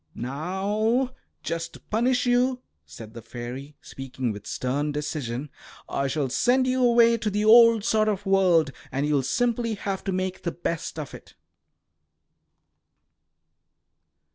Now, just to punish you," said the fairy, speaking with stern decision, "I shall send you away to the old sort of world, and you'll simply have to make the best of it."